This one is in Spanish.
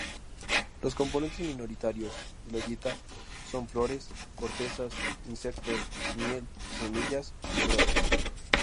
Los componentes minoritarios de la dieta son flores, cortezas, insectos, miel, semillas y brotes.